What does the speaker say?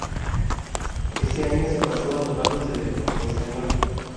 Ese año se pasó a los bandos del Deportivo Español.